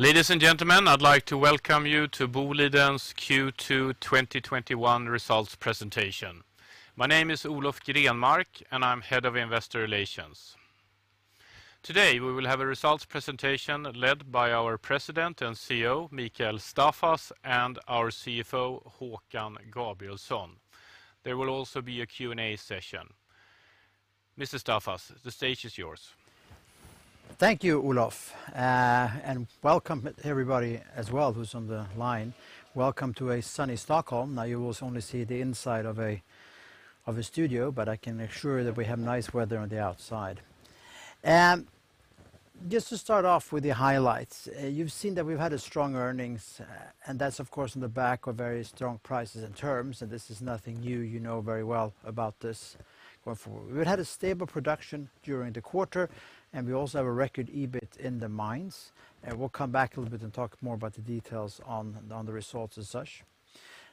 Ladies and gentlemen, I'd like to welcome you to Boliden's Q2 2021 results presentation. My name is Olof Grenmark, and I'm Head of Investor Relations. Today, we will have a results presentation led by our President and CEO, Mikael Staffas, and our CFO, Håkan Gabrielsson. There will also be a Q&A session. Mr. Staffas, the stage is yours. Thank you, Olof. Welcome everybody as well who's on the line. Welcome to a sunny Stockholm. Now you will only see the inside of a studio, but I can assure that we have nice weather on the outside. Just to start off with the highlights. You've seen that we've had strong earnings, and that's of course on the back of very strong prices and terms, and this is nothing new. You know very well about this going forward. We've had a stable production during the quarter, and we also have a record EBIT in the mines. We'll come back a little bit and talk more about the details on the results as such.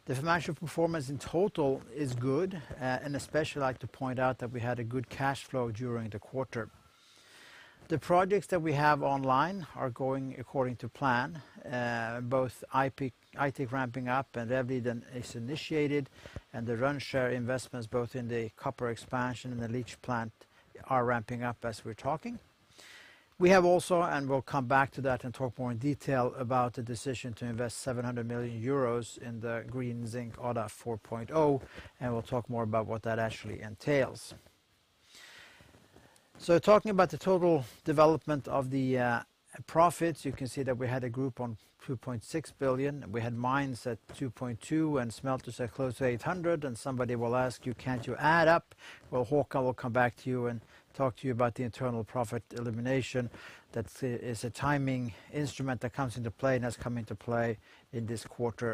The financial performance in total is good, and especially I'd like to point out that we had a good cash flow during the quarter. The projects that we have online are going according to plan, both Aitik ramping up and Rävliden is initiated, and the Rönnskär investments both in the copper expansion and the leach plant are ramping up as we're talking. We have also, and we'll come back to that and talk more in detail about the decision to invest 700 million euros in the Green Zinc Odda 4.0, and we'll talk more about what that actually entails. Talking about the total development of the profits, you can see that we had a group on 2.6 billion. We had mines at 2.2 billion and smelters at close to 800 million, and somebody will ask you, "Can't you add up?" Well, Håkan will come back to you and talk to you about the internal profit elimination that is a timing instrument that comes into play, and has come into play in this quarter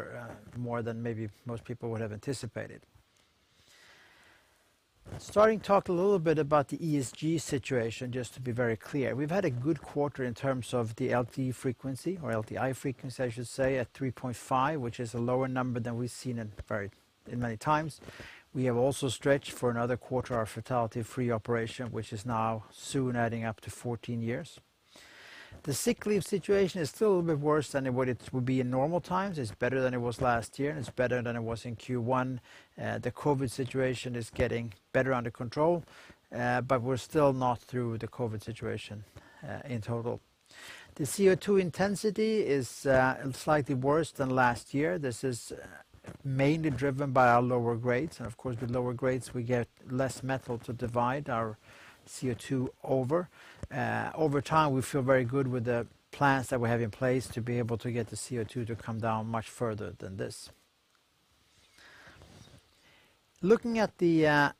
more than maybe most people would have anticipated. Starting to talk a little bit about the ESG situation, just to be very clear. We've had a good quarter in terms of the LTI frequency, I should say, at 3.5, which is a lower number than we've seen in many times. We have also stretched for another quarter our fatality-free operation, which is now soon adding up to 14 years. The sick leave situation is still a little bit worse than what it would be in normal times. It's better than it was last year, and it's better than it was in Q1. The COVID situation is getting better under control, but we're still not through the COVID situation in total. The CO2 intensity is slightly worse than last year. This is mainly driven by our lower grades and of course, with lower grades, we get less metal to divide our CO2 over. Over time, we feel very good with the plans that we have in place to be able to get the CO2 to come down much further than this. Looking at the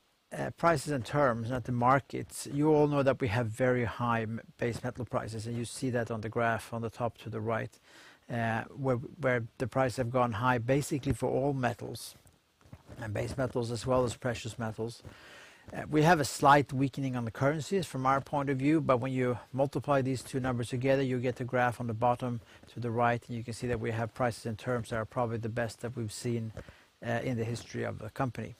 prices and terms at the markets, you all know that we have very high base metal prices, and you see that on the graph on the top to the right, where the price have gone high, basically for all metals and base metals, as well as precious metals. We have a slight weakening on the currencies from our point of view, but when you multiply these two numbers together, you get the graph on the bottom to the right, and you can see that we have prices and terms that are probably the best that we've seen in the history of the company.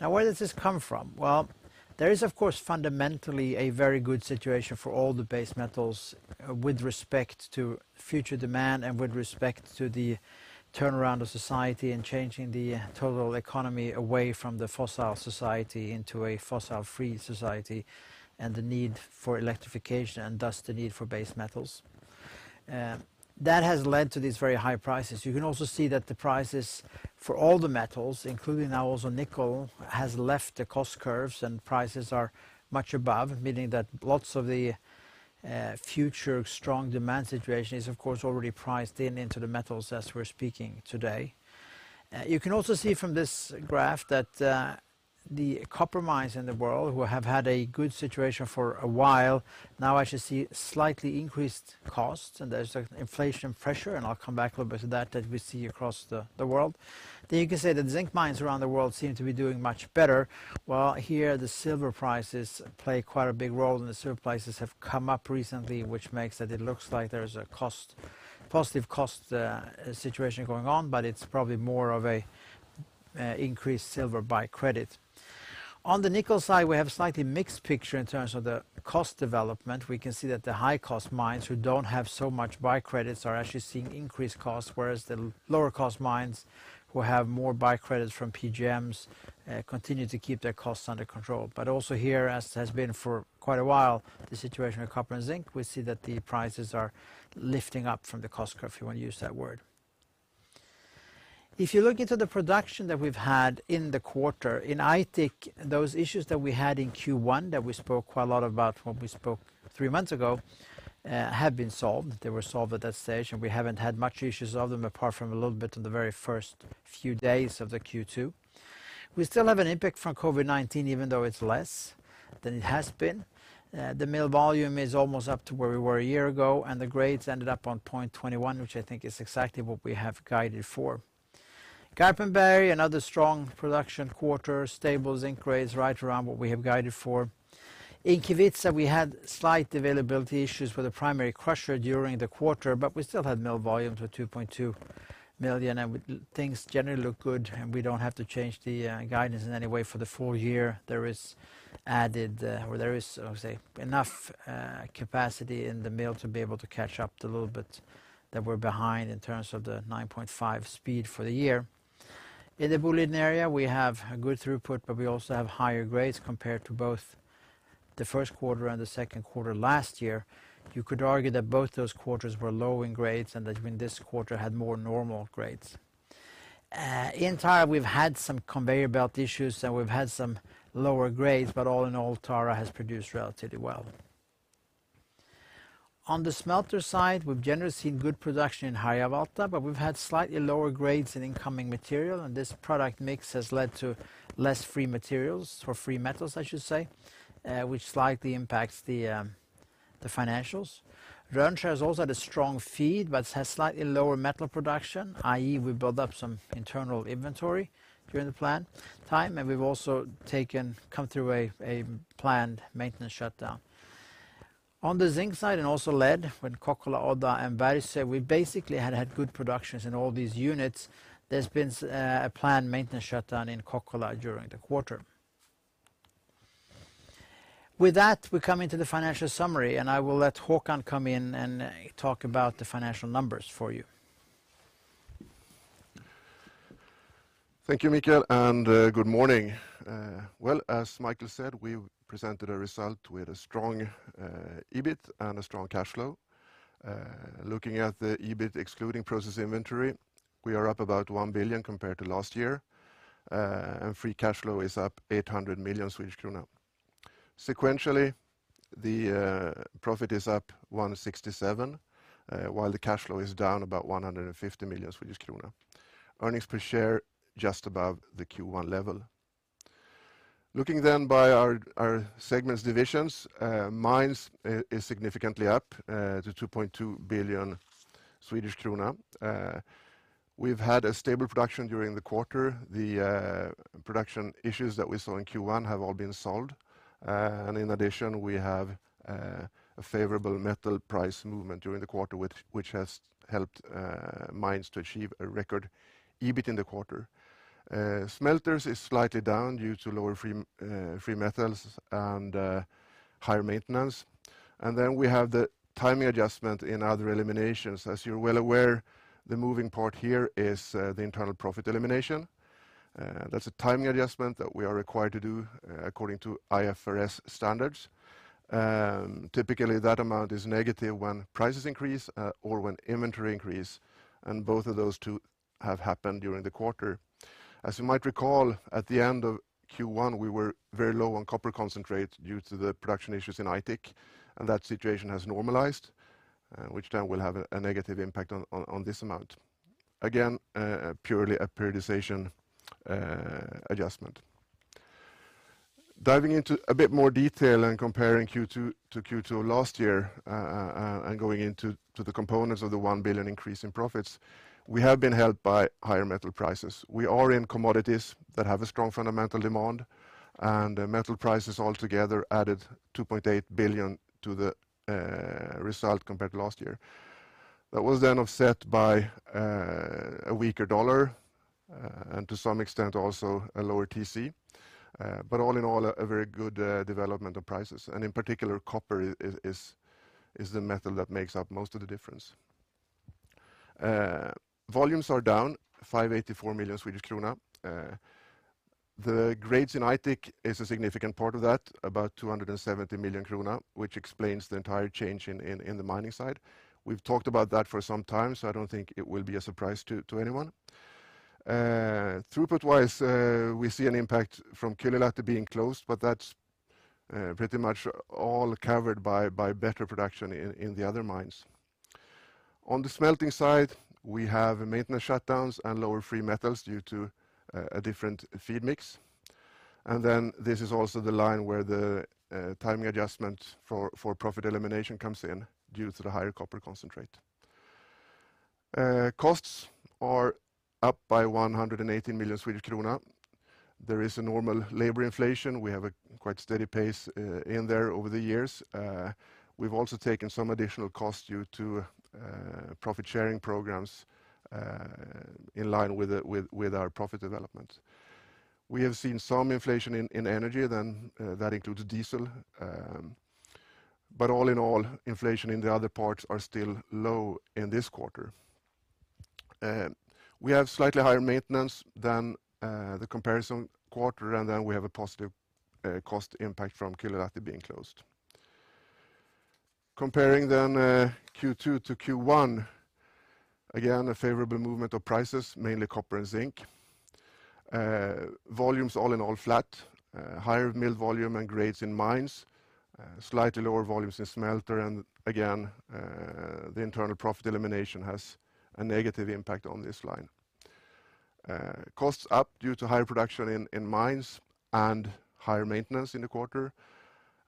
Now, where does this come from? Well, there is of course, fundamentally a very good situation for all the base metals with respect to future demand and with respect to the turnaround of society and changing the total economy away from the fossil society into a fossil-free society and the need for electrification, and thus the need for base metals. That has led to these very high prices. You can also see that the prices for all the metals, including now also nickel, has left the cost curves and prices are much above, meaning that lots of the future strong demand situation is of course already priced in into the metals as we're speaking today. You can also see from this graph that the copper mines in the world who have had a good situation for a while now actually see slightly increased costs, and there's inflation pressure, and I'll come back a little bit to that we see across the world. You can say that the zinc mines around the world seem to be doing much better. Well, here, the silver prices play quite a big role, and the silver prices have come up recently, which makes that it looks like there's a positive cost situation going on, but it's probably more of an increased silver by credit. On the nickel side, we have a slightly mixed picture in terms of the cost development. We can see that the high-cost mines who don't have so much by credits are actually seeing increased costs, whereas the lower cost mines who have more by credits from PGMs continue to keep their costs under control. Also here, as has been for quite a while, the situation with copper and zinc, we see that the prices are lifting up from the cost curve, if you want to use that word. If you look into the production that we've had in the quarter, in Aitik, those issues that we had in Q1 that we spoke quite a lot about when we spoke three months ago have been solved. They were solved at that stage, we haven't had much issues of them apart from a little bit on the very first few days of the Q2. We still have an impact from COVID-19, even though it's less than it has been. The mill volume is almost up to where we were one year ago, and the grades ended up on 0.21, which I think is exactly what we have guided for. Garpenberg, another strong production quarter, stable zinc grades right around what we have guided for. In Kevitsa, we had slight availability issues with the primary crusher during the quarter, but we still had mill volumes with 2.2 million, and things generally look good, and we don't have to change the guidance in any way for the full year. There is, say, enough capacity in the mill to be able to catch up the little bit that we're behind in terms of the 9.5 speed for the year. In the Boliden Area, we have a good throughput, but we also have higher grades compared to both the first quarter and the second quarter last year. You could argue that both those quarters were low in grades and that even this quarter had more normal grades. In Tara, we've had some conveyor belt issues, and we've had some lower grades, but all in all, Tara has produced relatively well. On the Smelter side, we've generally seen good production in Harjavalta, but we've had slightly lower grades in incoming material, and this product mix has led to less free materials or free metals, I should say, which slightly impacts the financials. Rönnskär has also had a strong feed but has slightly lower metal production, i.e., we build up some internal inventory during the planned time, and we've also come through a planned maintenance shutdown. On the zinc side and also lead with Kokkola, Odda, and Bergsö, we basically had good productions in all these units. There's been a planned maintenance shutdown in Kokkola during the quarter. With that, we come into the financial summary, and I will let Håkan come in and talk about the financial numbers for you. Thank you, Mikael, and good morning. As Mikael said, we presented a result with a strong EBIT and a strong cash flow. Looking at the EBIT excluding process inventory, we are up about 1 billion compared to last year, and free cash flow is up 800 million Swedish krona. Sequentially, the profit is up 167 million, while the cash flow is down about 150 million Swedish krona. Earnings per share just above the Q1 level. Looking by our segments divisions, Mines is significantly up to 2.2 billion Swedish krona. We've had a stable production during the quarter. The production issues that we saw in Q1 have all been solved. In addition, we have a favorable metal price movement during the quarter which has helped Mines to achieve a record EBIT in the quarter. Smelters is slightly down due to lower free metals and higher maintenance. Then we have the timing adjustment in other eliminations. As you're well aware, the moving part here is the internal profit elimination. That's a timing adjustment that we are required to do according to IFRS standards. Typically, that amount is negative when prices increase or when inventory increase, and both of those two have happened during the quarter. As you might recall, at the end of Q1, we were very low on copper concentrate due to the production issues in Aitik, and that situation has normalized, which then will have a negative impact on this amount. Again, purely a periodization adjustment. Diving into a bit more detail and comparing Q2 to Q2 last year, and going into the components of the 1 billion increase in profits, we have been helped by higher metal prices. We are in commodities that have a strong fundamental demand, and metal prices altogether added 2.8 billion to the result compared to last year. That was then offset by a weaker U.S. dollar, and to some extent, also a lower TC. All in all, a very good development of prices. In particular, copper is the metal that makes up most of the difference. Volumes are down 584 million Swedish krona. The grades in Aitik is a significant part of that, about 270 million krona, which explains the entire change in the mining side. We've talked about that for some time, I don't think it will be a surprise to anyone. Throughput-wise, we see an impact from Kylylahti being closed, that's pretty much all covered by better production in the other mines. On the smelting side, we have maintenance shutdowns and lower free metals due to a different feed mix. This is also the line where the timing adjustment for profit elimination comes in due to the higher copper concentrate. Costs are up by 118 million Swedish krona. There is a normal labor inflation. We have a quite steady pace in there over the years. We've also taken some additional cost due to profit-sharing programs in line with our profit development. We have seen some inflation in energy then that includes diesel. All in all, inflation in the other parts are still low in this quarter. We have slightly higher maintenance than the comparison quarter, and then we have a positive cost impact from Kylylahti being closed. Comparing then Q2 to Q1, again, a favorable movement of prices, mainly copper and zinc. Volumes are all in all flat. Higher mill volume and grades in Mines. Slightly lower volumes in Smelter. Again, the internal profit elimination has a negative impact on this line. Costs up due to higher production in Mines and higher maintenance in the quarter.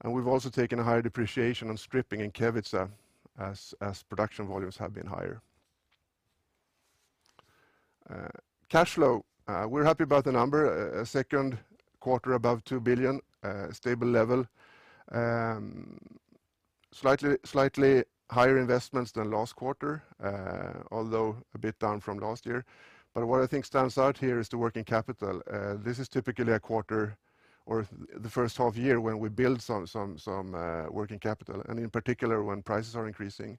We've also taken a higher depreciation on stripping in Kevitsa as production volumes have been higher. Cash flow, we're happy about the number, second quarter above 2 billion, stable level. Slightly higher investments than last quarter, although a bit down from last year. What I think stands out here is the working capital. This is typically a quarter or the first half-year when we build some working capital, and in particular, when prices are increasing.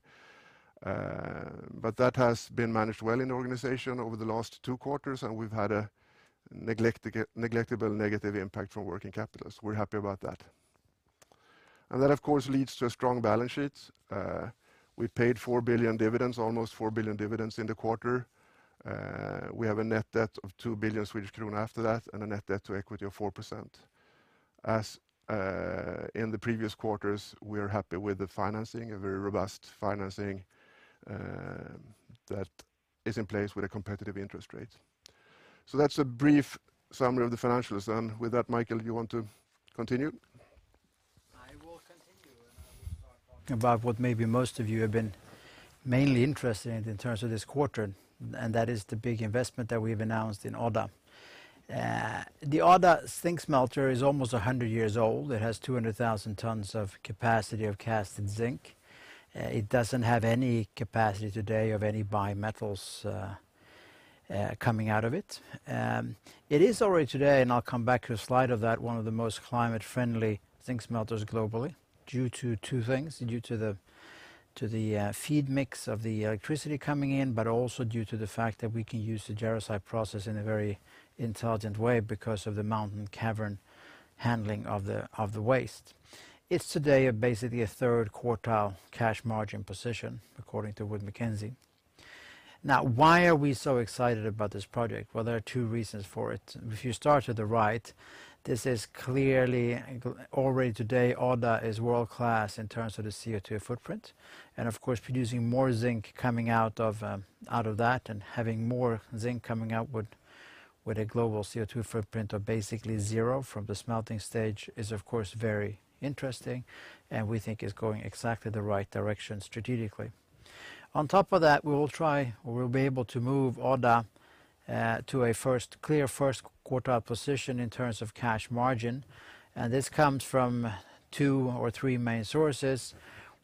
That has been managed well in the organization over the last two quarters, and we've had a negligible negative impact from working capital, so we're happy about that. That, of course, leads to a strong balance sheet. We paid almost 4 billion dividends in the quarter. We have a net debt of 2 billion Swedish krona after that, and a net debt to equity of 4%. As in the previous quarters, we are happy with the financing, a very robust financing that is in place with a competitive interest rate. That's a brief summary of the financials. With that, Mikael, you want to continue? I will continue, and I will start talking about what maybe most of you have been mainly interested in terms of this quarter, and that is the big investment that we've announced in Odda. The Odda zinc smelter is almost 100 years old. It has 200,000 tons of capacity of cast and zinc. It doesn't have any capacity today of any bi-metals coming out of it. It is already today, and I'll come back to a slide of that, one of the most climate-friendly zinc smelters globally due to two things, due to the feed mix of the electricity coming in, but also due to the fact that we can use the jarosite process in a very intelligent way because of the mountain cavern handling of the waste. It's today basically 1/3 quartile cash margin position according to Wood Mackenzie. Now, why are we so excited about this project? Well, there are two reasons for it. If you start at the right, this is clearly already today, Odda is world-class in terms of the CO2 footprint. Of course, producing more zinc coming out of that and having more zinc coming out with a global CO2 footprint of basically 0 from the smelting stage is, of course, very interesting and we think is going exactly the right direction strategically. On top of that, we will be able to move Odda to a clear first quartile position in terms of cash margin, and this comes from two or three main sources.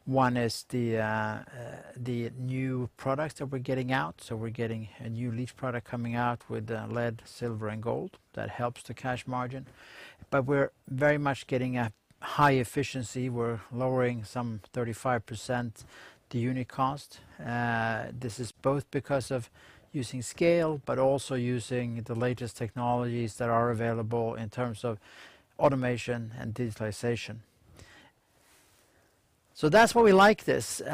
One is the new products that we're getting out, we're getting a new leach product coming out with lead, silver, and gold that helps the cash margin. We're very much getting a high efficiency. We're lowering some 35% the unit cost. This is both because of using scale, but also using the latest technologies that are available in terms of automation and digitalization. That's why we like this. It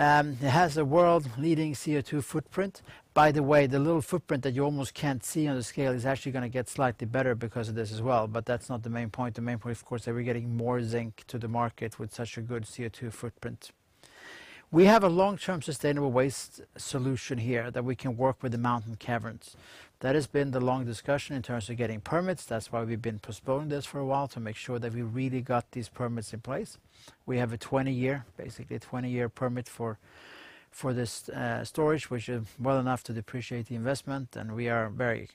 has a world-leading CO2 footprint. By the way, the little footprint that you almost can't see on the scale is actually going to get slightly better because of this as well, but that's not the main point. The main point, of course, that we're getting more zinc to the market with such a good CO2 footprint. We have a long-term sustainable waste solution here that we can work with the mountain caverns. That has been the long discussion in terms of getting permits. That's why we've been postponing this for a while to make sure that we really got these permits in place. We have basically a 20-year permit for this storage, which is well enough to depreciate the investment, and we are very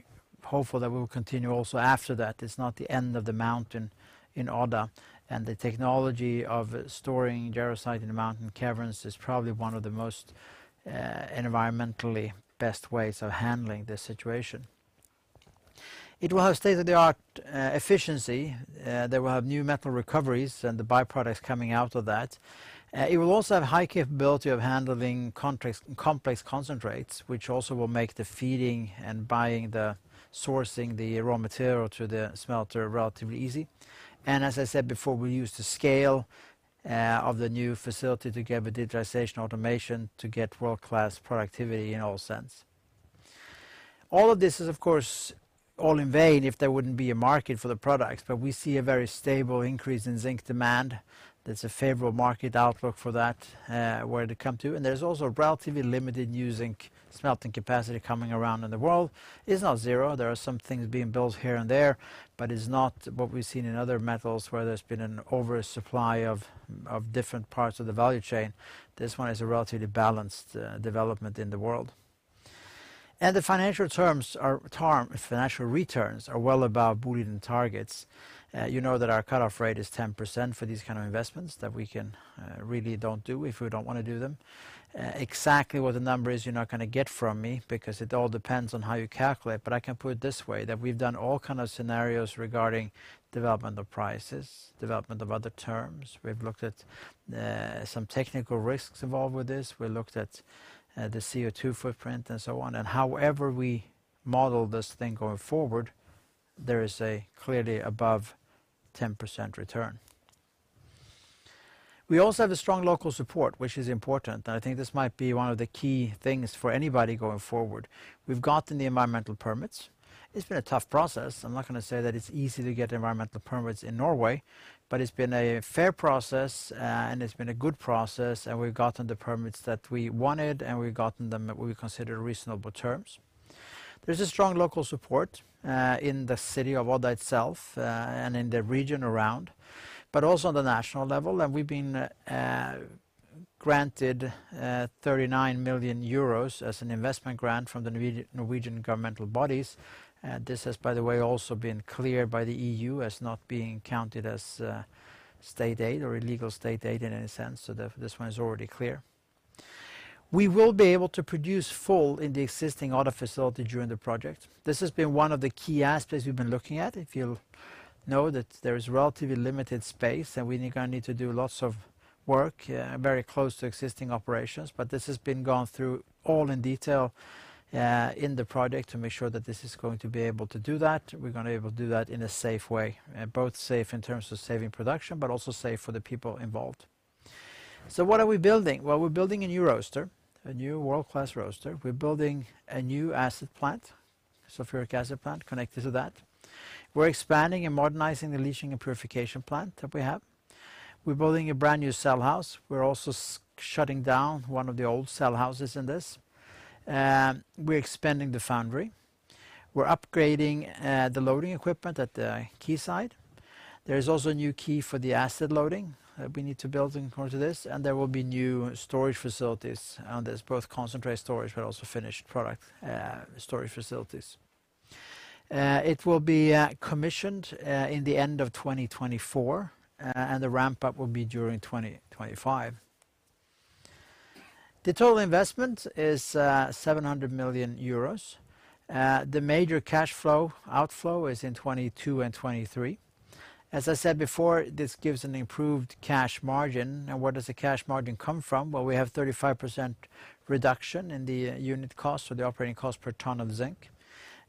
hopeful that we will continue also after that. It's not the end of the mountain in Odda, and the technology of storing jarosite in mountain caverns is probably one of the most environmentally best ways of handling this situation. It will have state-of-the-art efficiency. There will have new metal recoveries and the byproducts coming out of that. It will also have high capability of handling complex concentrates, which also will make the feeding and buying, the sourcing the raw material to the smelter relatively easy. As I said before, we use the scale of the new facility together with digitalization automation to get world-class productivity in all sense. All of this is, of course, all in vain if there wouldn't be a market for the products. We see a very stable increase in zinc demand that's a favorable market outlook for that where to come to. There's also relatively limited new zinc smelting capacity coming around in the world. It's not zero. There are some things being built here and there, but it's not what we've seen in other metals where there's been an oversupply of different parts of the value chain. This one is a relatively balanced development in the world. The financial returns are well above Boliden targets. You know that our cutoff rate is 10% for these kind of investments that we can really don't do if we don't want to do them. Exactly what the number is you're not going to get from me because it all depends on how you calculate, but I can put it this way, that we've done all kind of scenarios regarding development of prices, development of other terms. We've looked at some technical risks involved with this. We looked at the CO2 footprint and so on. However we model this thing going forward, there is a clearly above 10% return. We also have a strong local support, which is important, and I think this might be one of the key things for anybody going forward. We've gotten the environmental permits. It's been a tough process. I'm not going to say that it's easy to get environmental permits in Norway, but it's been a fair process, and it's been a good process, and we've gotten the permits that we wanted, and we've gotten them at what we consider reasonable terms. There's a strong local support in the city of Odda itself, and in the region around, but also on the national level. We've been granted 39 million euros as an investment grant from the Norwegian governmental bodies. This has, by the way, also been cleared by the EU as not being counted as state aid or illegal state aid in any sense, so this one is already clear. We will be able to produce full in the existing Odda facility during the project. This has been one of the key aspects we've been looking at. If you'll know that there is relatively limited space, and we're going to need to do lots of work very close to existing operations. This has been gone through all in detail in the project to make sure that this is going to be able to do that. We're going to be able to do that in a safe way, both safe in terms of saving production, but also safe for the people involved. What are we building? Well, we're building a new roaster, a new world-class roaster. We're building a new acid plant, sulphuric acid plant connected to that. We're expanding and modernizing the leaching and purification plant that we have. We're building a brand-new cell house. We're also shutting down one of the old cell houses in this. We're expanding the foundry. We're upgrading the loading equipment at the quayside. There is also a new quay for the acid loading that we need to build in accordance to this, there will be new storage facilities, there's both concentrate storage but also finished product storage facilities. It will be commissioned in the end of 2024 and the ramp-up will be during 2025. The total investment is 700 million euros. The major cash flow outflow is in 2022 and 2023. As I said before, this gives an improved cash margin. Where does the cash margin come from? Well, we have 35% reduction in the unit cost or the operating cost per ton of zinc.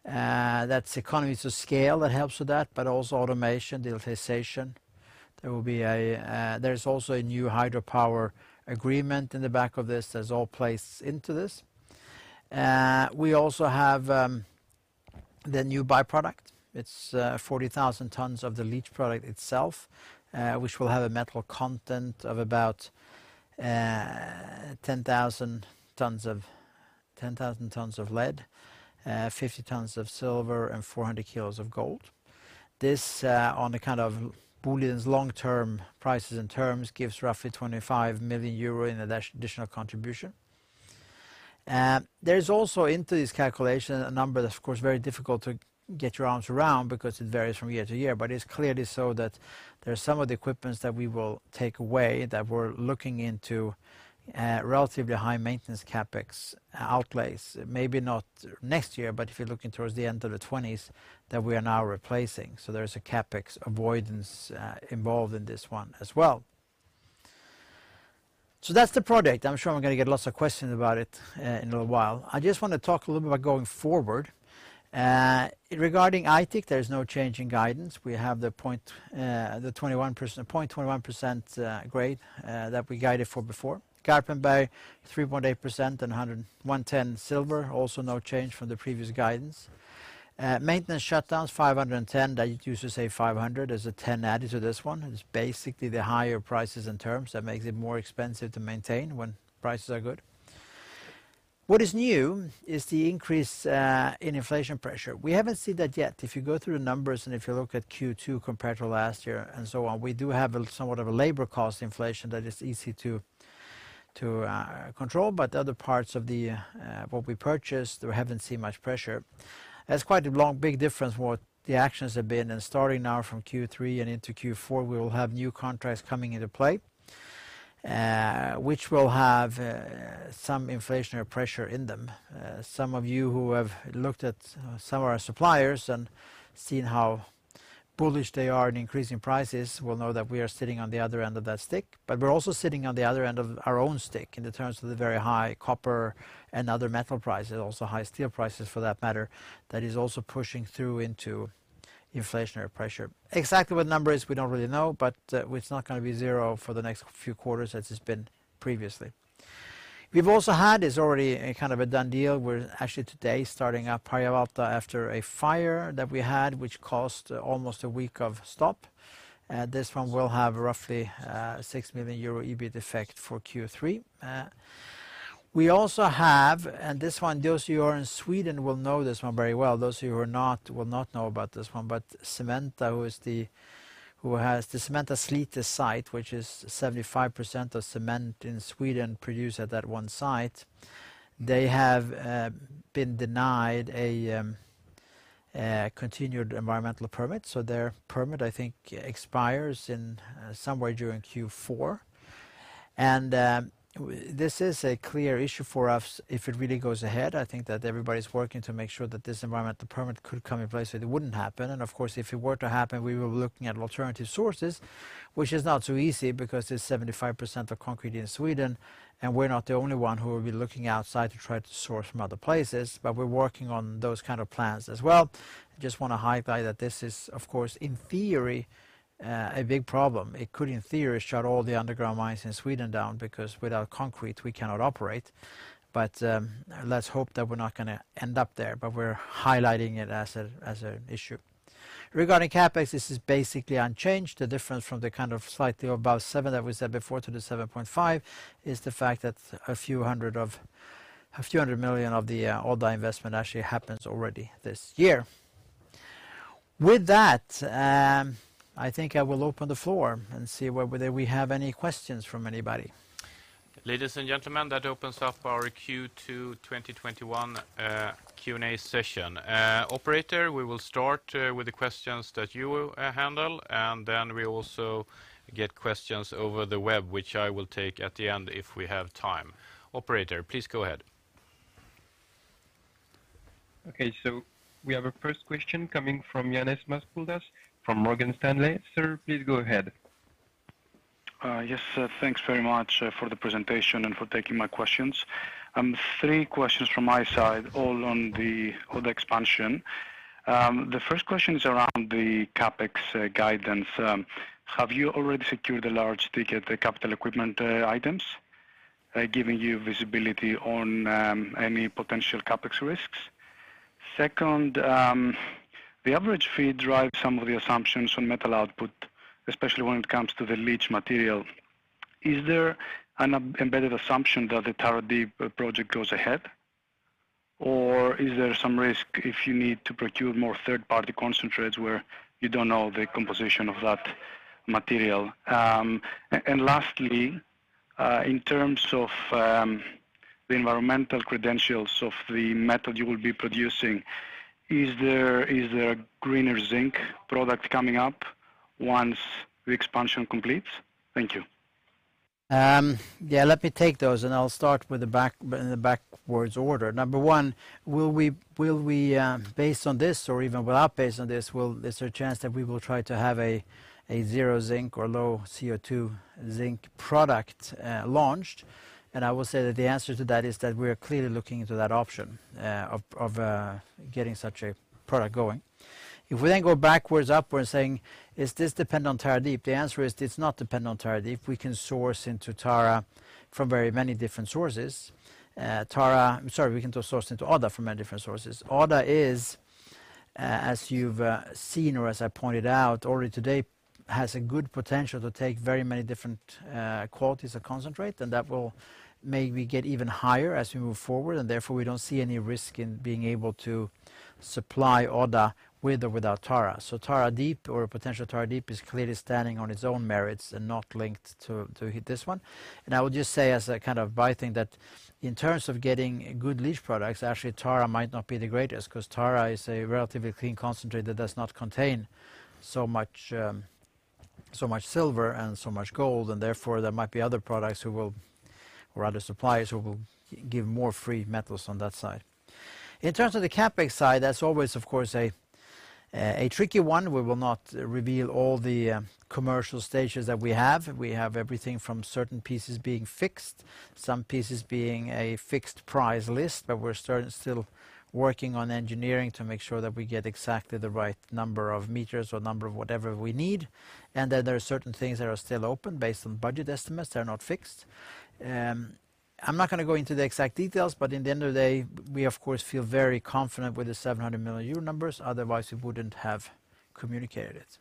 That's economies of scale that helps with that, also automation, digitization. There is also a new hydropower agreement in the back of this that's all placed into this. We also have the new by-product. It's 40,000 tonnes of the leach product itself, which will have a metal content of about 10,000 tonnes of lead, 50 tonnes of silver and 400 kg of gold. This, on the kind of Boliden's long-term prices and terms, gives roughly 25 million euro in additional contribution. There's also into this calculation, a number that's of course very difficult to get your arms around because it varies from year to year, but it's clearly so that there's some of the equipments that we will take away that we're looking into relatively high maintenance CapEx outlays, maybe not next year, but if you're looking towards the end of the 2020s, that we are now replacing. There is a CapEx avoidance involved in this one as well. That's the project. I'm sure I'm going to get lots of questions about it in a little while. I just want to talk a little bit about going forward. Regarding Aitik, there is no change in guidance. We have the 0.21% grade that we guided for before. Garpenberg, 3.8% and 110 silver, also no change from the previous guidance. Maintenance shutdowns, 510 million. They used to say 500 million. There's a 10 million added to this one. It's basically the higher prices and terms that makes it more expensive to maintain when prices are good. What is new is the increase in inflation pressure. We haven't seen that yet. If you go through the numbers and if you look at Q2 compared to last year and so on, we do have somewhat of a labor cost inflation that is easy to control, but other parts of what we purchased, we haven't seen much pressure. That's quite a long, big difference what the actions have been. Starting now from Q3 and into Q4, we will have new contracts coming into play, which will have some inflationary pressure in them. Some of you who have looked at some of our suppliers and seen how bullish they are in increasing prices will know that we are sitting on the other end of that stick, but we're also sitting on the other end of our own stick in the terms of the very high copper and other metal prices, also high steel prices for that matter, that is also pushing through into inflationary pressure. Exactly what the number is, we don't really know, but it's not going to be zero for the next few quarters as it's been previously. We've also had, it's already a kind of a done deal, we're actually today starting up Harjavalta after a fire that we had, which caused almost a week of stop. This one will have roughly a 6 million euro EBIT effect for Q3. We also have, this one, those who are in Sweden will know this one very well. Those who are not will not know about this one, Cementa who has the Cementa Slite site, which is 75% of cement in Sweden produced at that one site, they have been denied a continued environmental permit. Their permit, I think, expires in somewhere during Q4, this is a clear issue for us if it really goes ahead. I think that everybody's working to make sure that this environmental permit could come in place so it wouldn't happen. Of course, if it were to happen, we will be looking at alternative sources, which is not so easy because it's 75% of concrete in Sweden, and we're not the only one who will be looking outside to try to source from other places. We're working on those kind of plans as well. I just want to highlight that this is, of course, in theory, a big problem. It could, in theory, shut all the underground mines in Sweden down because without concrete, we cannot operate. Let's hope that we're not going to end up there, but we're highlighting it as an issue. Regarding CapEx, this is basically unchanged. The difference from the slightly above 7 billion that we said before to the 7.5 billion is the fact that a few hundred million of the Odda investment actually happens already this year. With that, I think I will open the floor and see whether we have any questions from anybody. Ladies and gentlemen, that opens up our Q2 2021 Q&A session. Operator, we will start with the questions that you will handle, and then we also get questions over the web, which I will take at the end if we have time. Operator, please go ahead. Okay, we have a first question coming from Ioannis Masvoulas from Morgan Stanley. Sir, please go ahead. Thanks very much for the presentation and for taking my questions. Three questions from my side, all on the Odda expansion. The first question is around the CapEx guidance. Have you already secured the large ticket, the capital equipment items, giving you visibility on any potential CapEx risks? Second, the average fee drives some of the assumptions on metal output, especially when it comes to the leach material. Is there an embedded assumption that the Tara Deep project goes ahead? Is there some risk if you need to procure more third-party concentrates where you don't know the composition of that material? Lastly, in terms of the environmental credentials of the metal you will be producing, is there a greener zinc product coming up once the expansion completes? Thank you. Let me take those, and I'll start with the backwards order. Number one, based on this or even without based on this, is there a chance that we will try to have a zero zinc or low CO2 zinc product launched? I will say that the answer to that is that we are clearly looking into that option of getting such a product going. If we then go backwards upward saying, is this dependent on Tara Deep? The answer is it's not dependent on Tara Deep. We can source into Odda from very many different sources. Odda is, as you've seen or as I pointed out already today, has a good potential to take very many different qualities of concentrate, and that will maybe get even higher as we move forward, and therefore, we don't see any risk in being able to supply Odda with or without Tara. Tara Deep or potential Tara Deep is clearly standing on its own merits and not linked to this one. I would just say as a kind of by-thing that in terms of getting good leach products, actually Tara might not be the greatest because Tara is a relatively clean concentrate that does not contain so much silver and so much gold, and therefore, there might be other products or other suppliers who will give more free metals on that side. In terms of the CapEx side, that's always, of course, a tricky one. We will not reveal all the commercial stages that we have. We have everything from certain pieces being fixed, some pieces being a fixed price list, but we're still working on engineering to make sure that we get exactly the right number of meters or number of whatever we need. There are certain things that are still open based on budget estimates that are not fixed. I'm not going to go into the exact details, but in the end of the day, we of course feel very confident with the 700 million euro numbers. Otherwise, we wouldn't have communicated it.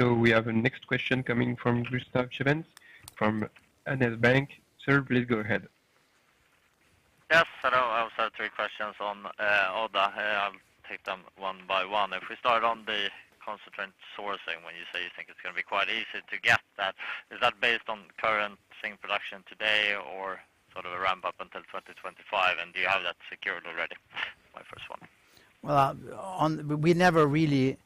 We have a next question coming from Gustaf Schwerin from Handelsbanken. Sir, please go ahead. Yes. Hello. I also have three questions on Odda. I'll take them one by one. If we start on the concentrate sourcing, when you say you think it's going to be quite easy to get that, is that based on current zinc production today or sort of a ramp up until 2025? Do you have that secured already? My first one. We never really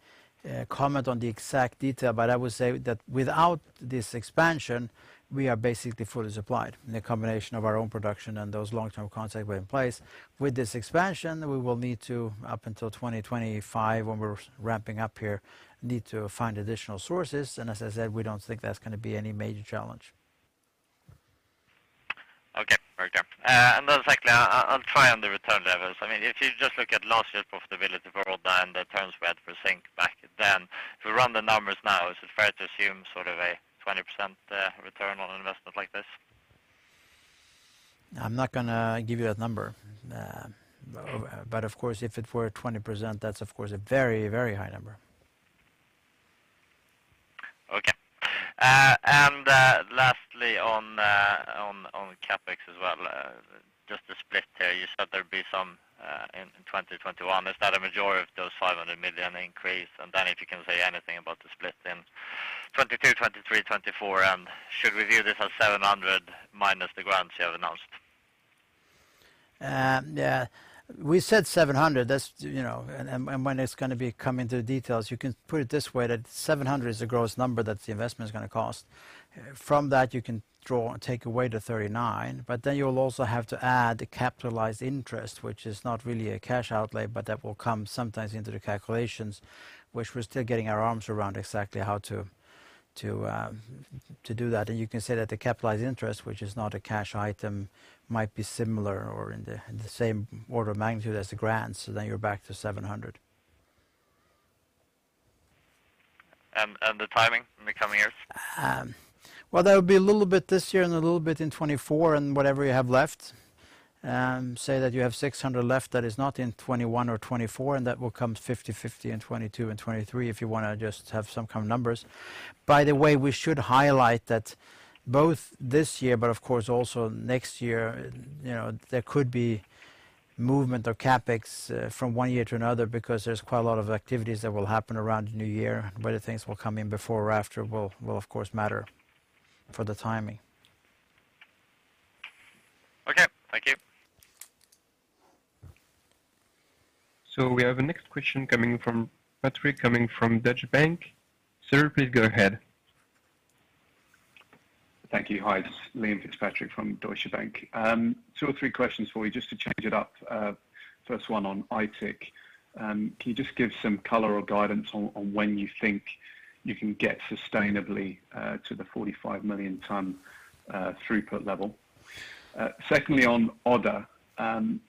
comment on the exact detail, but I would say that without this expansion, we are basically fully supplied in the combination of our own production and those long-term contracts we have in place. With this expansion, we will need to, up until 2025, when we're ramping up here, need to find additional sources. As I said, we don't think that's going to be any major challenge. Okay, fair enough. Secondly, I'll try on the return levels. If you just look at last year profitability for Odda and the terms for zinc back then, if we run the numbers now, is it fair to assume sort of a 20% return on an investment like this? I'm not going to give you a number. Okay. Of course, if it were 20%, that's of course a very, very high number. Okay. Lastly on CapEx as well, just the split here, you said there'd be some in 2021. Is that a majority of those 500 million increase? Then if you can say anything about the split in 2022, 2023, 2024, and should we view this as 700 million minus the grants you have announced? We said 700 million. When it's going to be coming to the details, you can put it this way, that 700 million is the gross number that the investment is going to cost. From that, you can take away 39 million, you'll also have to add the capitalized interest, which is not really a cash outlay, but that will come sometimes into the calculations, which we're still getting our arms around exactly how to do that. You can say that the capitalized interest, which is not a cash item, might be similar or in the same order of magnitude as the grants. You're back to 700 million. The timing in the coming years? Well, there will be a little bit this year and a little bit in 2024, and whatever you have left. Say that you have 600 million left that is not in 2021 or 2024, that will come 50/50 in 2022 and 2023, if you want to just have some kind of numbers. By the way, we should highlight that both this year, but of course also next year, there could be movement of CapEx from one year to another because there's quite a lot of activities that will happen around the new year. Whether things will come in before or after will, of course, matter for the timing. Okay. Thank you. We have a next question coming from Patrick, coming from Deutsche Bank. Sir, please go ahead. Thank you. Hi, this is Liam Fitzpatrick from Deutsche Bank. Two or three questions for you just to change it up. First one on Aitik. Can you just give some color or guidance on when you think you can get sustainably to the 45 million ton throughput level? Secondly, on Odda, I'm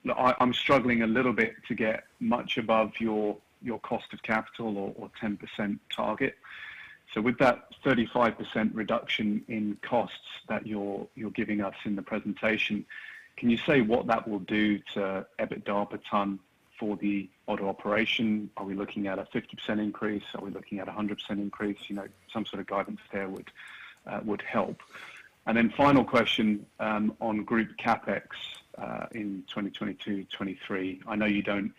struggling a little bit to get much above your cost of capital or 10% target. With that 35% reduction in costs that you're giving us in the presentation, can you say what that will do to EBITDA per ton for the Odda operation? Are we looking at a 50% increase? Are we looking at a 100% increase? Some sort of guidance there would help. Final question, on group CapEx, in 2022, 2023. I know you don't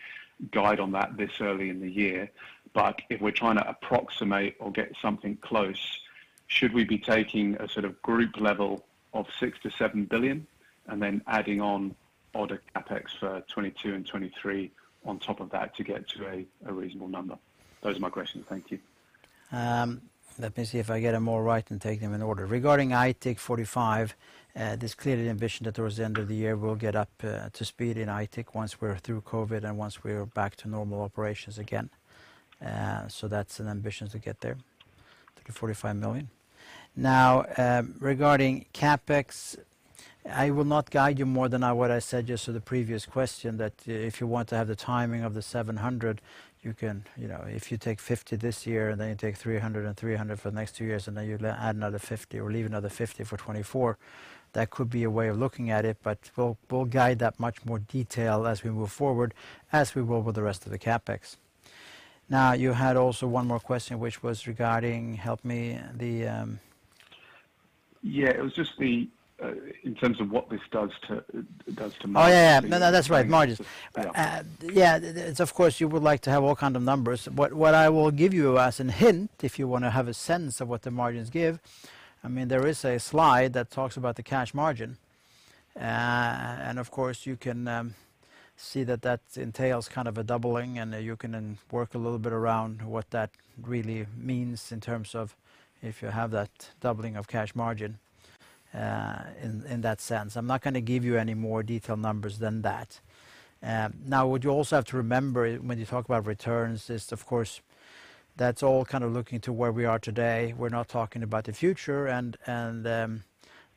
guide on that this early in the year, but if we're trying to approximate or get something close, should we be taking a sort of group level of 6 billion-7 billion and then adding on Odda CapEx for 2022 and 2023 on top of that to get to a reasonable number? Those are my questions. Thank you. Let me see if I get them all right and take them in order. Regarding Aitik 45, there's clearly an ambition that towards the end of the year we'll get up to speed in Aitik once we're through COVID and once we're back to normal operations again. That's an ambition to get there to the 45 million. Regarding CapEx, I will not guide you more than what I said just to the previous question, that if you want to have the timing of the 700 million, if you take 50 million this year, and then you take 300 million and 300 million for the next two years, and then you add another 50 million or leave another 50 million for 2024, that could be a way of looking at it. We'll guide that much more detail as we move forward, as we will with the rest of the CapEx. Now, you had also one more question, which was regarding, help me. Yeah, it was just in terms of what this does to margins. Oh, yeah. No, that's right, margins. Yeah. Yeah. Of course, you would like to have all kind of numbers. What I will give you as a hint, if you want to have a sense of what the margins give, there is a slide that talks about the cash margin. Of course, you can see that entails kind of a doubling, and you can then work a little bit around what that really means in terms of if you have that doubling of cash margin, in that sense. I'm not going to give you any more detailed numbers than that. What you also have to remember when you talk about returns is, of course, that's all kind of looking to where we are today. We're not talking about the future, and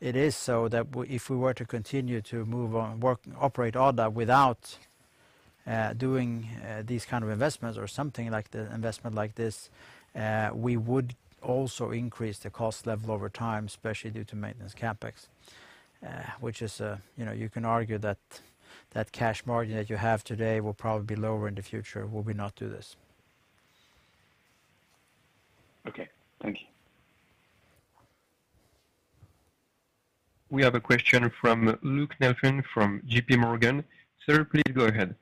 it is so that if we were to continue to operate Odda without doing these kind of investments or something like the investment like this, we would also increase the cost level over time, especially due to maintenance CapEx, which you can argue that that cash margin that you have today will probably be lower in the future will we not do this. Okay. Thank you. We have a question from Luke Nelson from JPMorgan. Sir, please go ahead.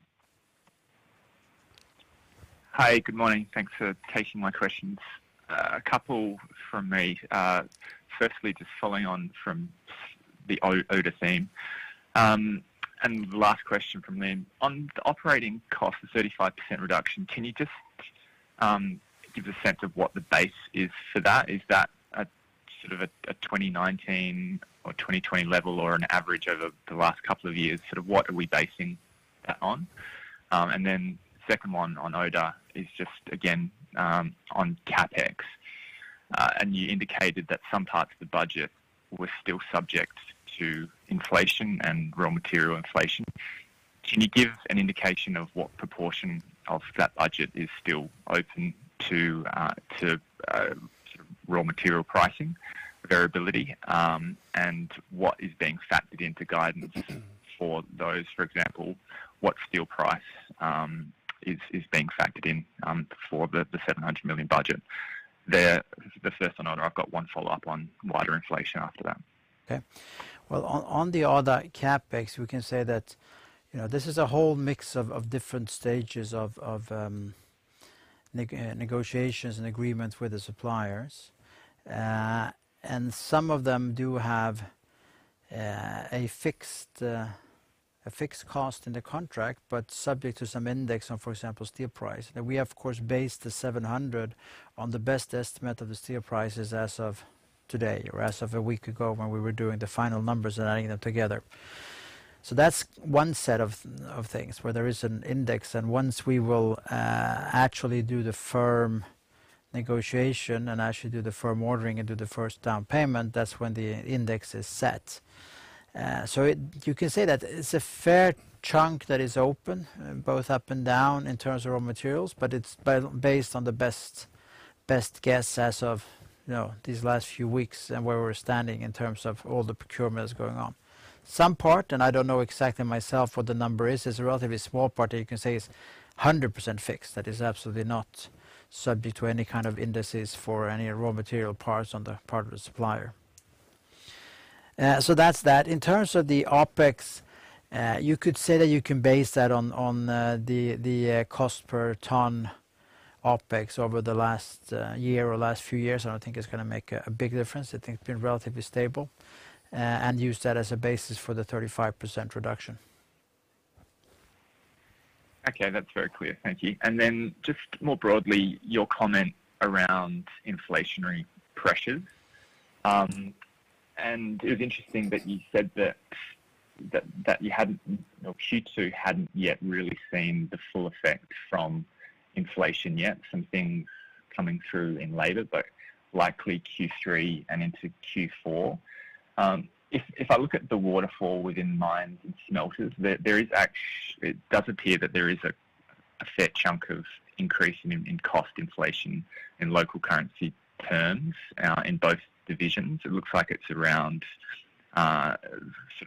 Hi. Good morning. Thanks for taking my questions. A couple from me. Firstly, just following on from the Odda theme, and the last question from Liam. On the operating cost, the 35% reduction, can you just give a sense of what the base is for that? Is that a sort of a 2019 or 2020 level or an average over the last couple of years, sort of what are we basing that on? Then second one on Odda is just, again, on CapEx. You indicated that some parts of the budget were still subject to inflation and raw material inflation. Can you give an indication of what proportion of that budget is still open to raw material pricing variability, and what is being factored into guidance for those? For example, what steel price is being factored in for the 700 million budget? They're the first on Odda. I've got 1 follow-up on wider inflation after that. Okay. Well, on the Odda CapEx, we can say that this is a whole mix of different stages of negotiations and agreements with the suppliers. Some of them do have a fixed cost in the contract, but subject to some index on, for example, steel price. We of course based the 700 million on the best estimate of the steel prices as of today or as of a week ago when we were doing the final numbers and adding them together. That's one set of things where there is an index, and once we will actually do the firm negotiation and actually do the firm ordering and do the first down payment, that's when the index is set. You can say that it's a fair chunk that is open, both up and down in terms of raw materials, but it's based on the best guess as of these last few weeks and where we're standing in terms of all the procurements going on. Some part, and I don't know exactly myself what the number is a relatively small part that you can say is 100% fixed. That is absolutely not subject to any kind of indices for any raw material parts on the part of the supplier. That's that. In terms of the OpEx, you could say that you can base that on the cost per ton OpEx over the last year or last few years. I don't think it's going to make a big difference. I think it's been relatively stable, and use that as a basis for the 35% reduction. Okay. That's very clear. Thank you. Just more broadly, your comment around inflationary pressures. It was interesting that you said that Q2 hadn't yet really seen the full effect from inflation yet, something coming through in later, but likely Q3 and into Q4. If I look at the waterfall within mines and smelters, it does appear that there is a fair chunk of increase in cost inflation in local currency terms in both divisions. It looks like it's around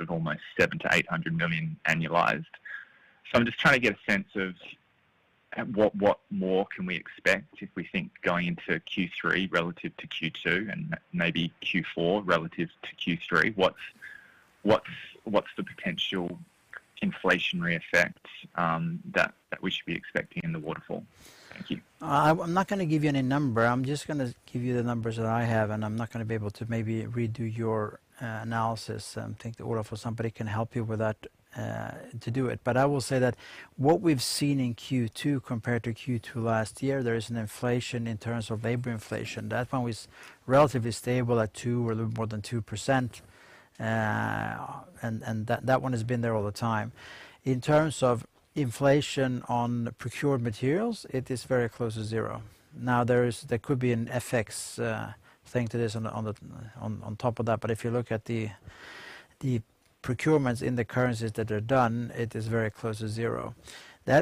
almost 700 million-800 million annualized. I'm just trying to get a sense of what more can we expect if we think going into Q3 relative to Q2 and maybe Q4 relative to Q3. What's the potential inflationary effects that we should be expecting in the waterfall? Thank you. I'm not going to give you any number. I'm just going to give you the numbers that I have, and I'm not going to be able to maybe redo your analysis. I think Olof or somebody can help you with that to do it. I will say that what we've seen in Q2 compared to Q2 last year, there is an inflation in terms of labor inflation. That one was relatively stable at 2% or a little more than 2%, and that one has been there all the time. In terms of inflation on procured materials, it is very close to zero. Now, there could be an FX thing to this on top of that, but if you look at the procurements in the currencies that are done, it is very close to zero.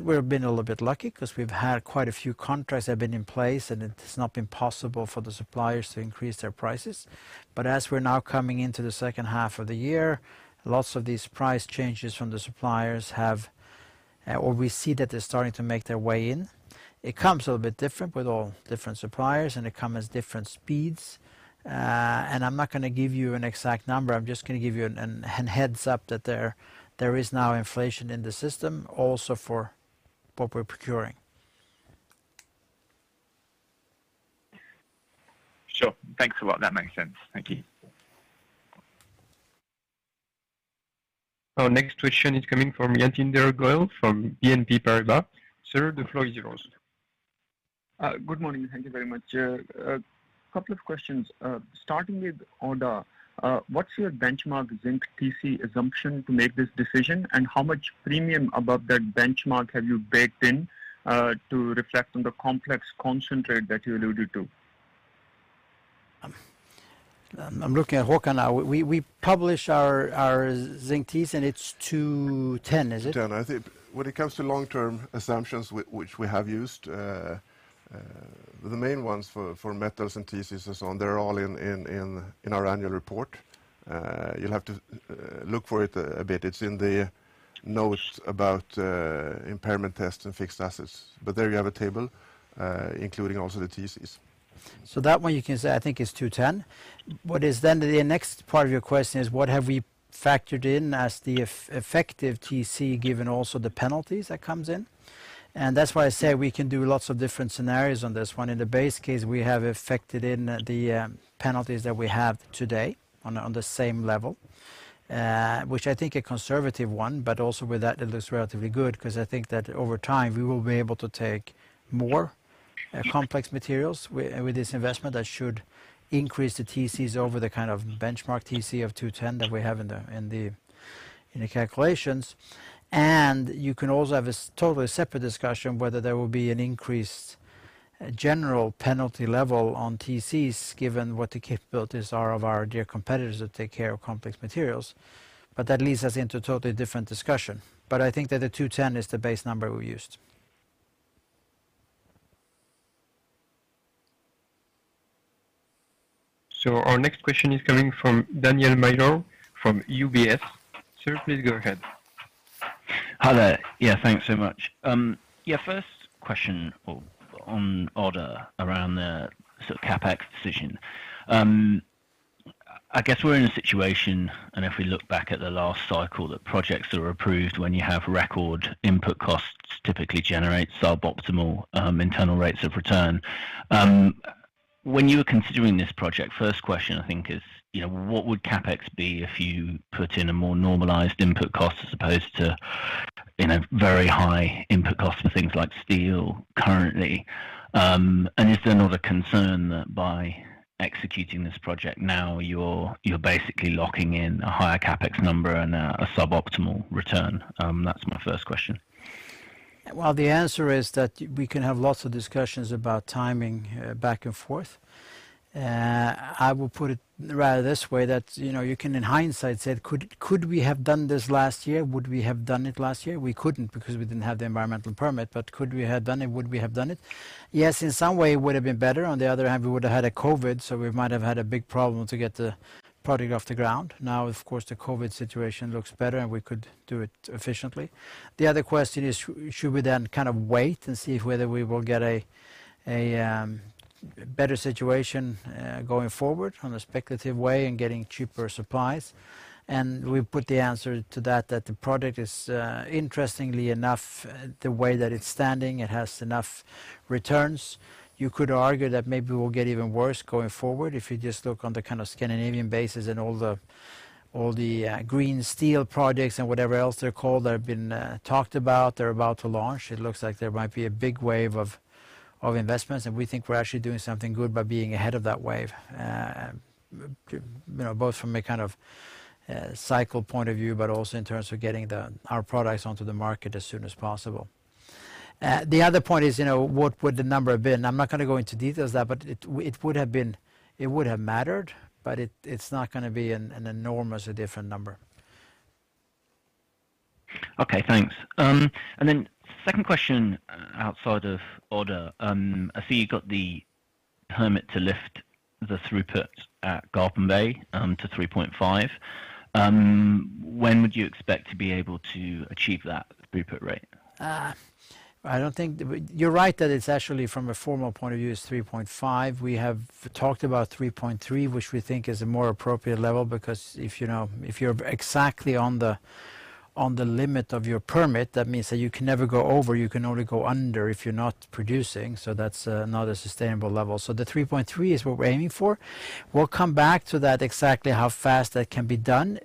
We've been a little bit lucky because we've had quite a few contracts that have been in place, it has not been possible for the suppliers to increase their prices. As we're now coming into the second half of the year, lots of these price changes from the suppliers, we see that they're starting to make their way in. It comes a little bit different with all different suppliers, it comes at different speeds. I'm not going to give you an exact number, I'm just going to give you a heads-up that there is now inflation in the system also for what we're procuring. Sure. Thanks a lot. That makes sense. Thank you. Our next question is coming from Jatinder Goel from BNP Paribas. Sir, the floor is yours. Good morning. Thank you very much. A couple of questions. Starting with Odda, what's your benchmark zinc TC assumption to make this decision, and how much premium above that benchmark have you baked in to reflect on the complex concentrate that you alluded to? I'm looking at Håkan now. We publish our zinc TC. It's 210, is it? I think when it comes to long-term assumptions, which we have used, the main ones for metals and TCs and so on, they're all in our annual report. You'll have to look for it a bit. It's in the notes about impairment tests and fixed assets. There you have a table including also the TCs. That one you can say, I think is 210. The next part of your question is what have we factored in as the effective TC given also the penalties that comes in? That's why I say we can do lots of different scenarios on this one. In the base case, we have factored in the penalties that we have today on the same level, which I think a conservative one, but also with that it looks relatively good because I think that over time we will be able to take more complex materials with this investment that should increase the TCs over the kind of benchmark TC of 210 that we have in the calculations. You can also have a totally separate discussion whether there will be an increased general penalty level on TCs given what the capabilities are of our dear competitors that take care of complex materials. That leads us into a totally different discussion. I think that the 210 is the base number we used. Our next question is coming from Daniel Major from UBS. Sir, please go ahead. Hi there. Yeah, thanks so much. Yeah, first question on Odda around the sort of CapEx decision. I guess we're in a situation, and if we look back at the last cycle, that projects that were approved when you have record input costs typically generate suboptimal internal rates of return. When you were considering this project, first question I think is, what would CapEx be if you put in a more normalized input cost as opposed to very high input cost for things like steel currently? Is there not a concern that by executing this project now you're basically locking in a higher CapEx number and a suboptimal return? That's my first question. Well, the answer is that we can have lots of discussions about timing back and forth. I will put it rather this way, that you can, in hindsight, say, could we have done this last year? Would we have done it last year? We couldn't because we didn't have the environmental permit, but could we have done it? Would we have done it? Yes, in some way, it would've been better. On the other hand, we would've had COVID, so we might have had a big problem to get the project off the ground. Now, of course, the COVID situation looks better, and we could do it efficiently. The other question is, should we then kind of wait and see whether we will get a better situation going forward in a speculative way and getting cheaper supplies? We put the answer to that the project is interestingly enough, the way that it's standing, it has enough returns. You could argue that maybe it will get even worse going forward if you just look on the kind of Scandinavian bases and all the green steel projects and whatever else they're called that have been talked about. They're about to launch. It looks like there might be a big wave of investments, and we think we're actually doing something good by being ahead of that wave, both from a kind of cycle point of view, but also in terms of getting our products onto the market as soon as possible. The other point is, what would the number have been? I'm not going to go into details there, but it would have mattered, but it's not going to be an enormously different number. Okay, thanks. Second question outside of Odda. I see you got the permit to lift the throughput at Garpenberg to 3.5%. When would you expect to be able to achieve that throughput rate? You're right that it's actually from a formal point of view, it's 3.5%. We have talked about 3.3%, which we think is a more appropriate level, because if you're exactly on the limit of your permit, that means that you can never go over, you can only go under if you're not producing. That's not a sustainable level. The 3.3% is what we're aiming for. We'll come back to that exactly how fast that can be done.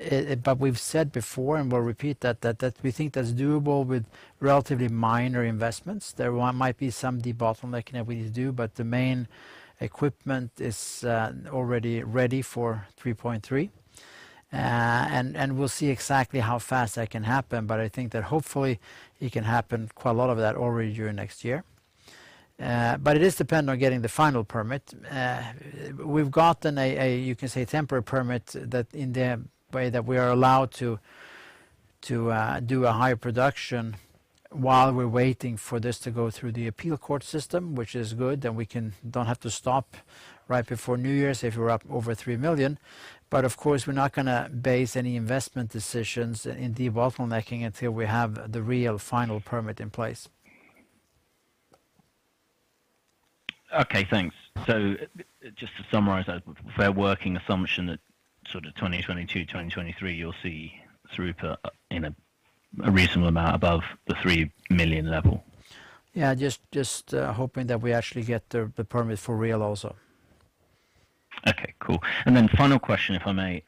We've said before, and we'll repeat that we think that's doable with relatively minor investments. There might be some debottlenecking that we need to do, but the main equipment is already ready for 3.3%. We'll see exactly how fast that can happen. I think that hopefully it can happen quite a lot of that already during next year. It is dependent on getting the final permit. We've gotten a, you can say temporary permit that in the way that we are allowed to do a higher production while we're waiting for this to go through the appeal court system, which is good, then we don't have to stop right before New Year's if we're up over 3 million. Of course, we're not going to base any investment decisions in debottlenecking until we have the real final permit in place. Okay, thanks. Just to summarize, a fair working assumption that sort of 2022, 2023, you'll see throughput in a reasonable amount above the 3 million level. Yeah, just hoping that we actually get the permit for real also. Okay, cool. Final question, if I may.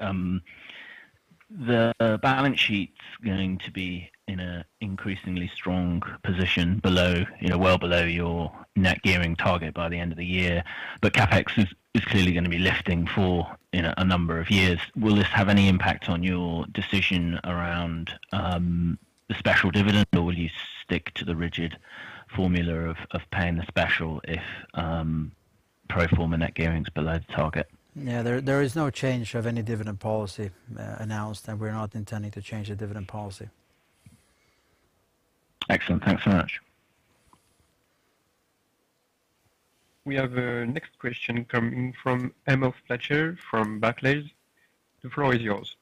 The balance sheet's going to be in a increasingly strong position below, well below your net gearing target by the end of the year. CapEx is clearly going to be lifting for a number of years. Will this have any impact on your decision around the special dividend, or will you stick to the rigid formula of paying the special if pro forma net gearing is below the target? Yeah, there is no change of any dividend policy announced, and we're not intending to change the dividend policy. Excellent. Thanks very much. We have a next question coming from Amos Fletcher from Barclays. The floor is yours.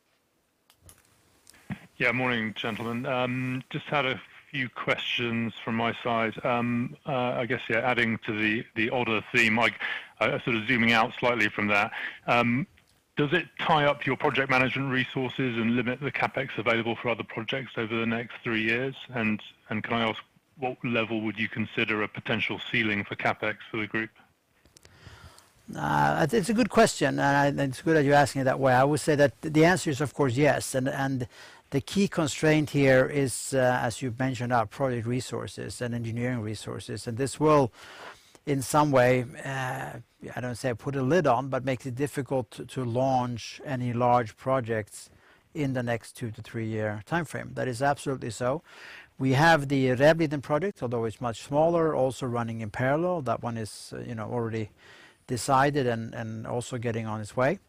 Yeah. Morning, gentlemen. Just had a few questions from my side. I guess, yeah, adding to the Odda theme, like sort of zooming out slightly from that. Does it tie up your project management resources and limit the CapEx available for other projects over the next three years? Can I ask what level would you consider a potential ceiling for CapEx for the group? It's a good question, and it's good that you're asking it that way. I would say that the answer is of course, yes. The key constraint here is, as you've mentioned, our project resources and engineering resources. This will, in some way, I don't want to say put a lid on, but makes it difficult to launch any large projects in the next two to three-year timeframe. That is absolutely so. We have the Rävliden project, although it's much smaller, also running in parallel. That one is already decided and also getting on its way.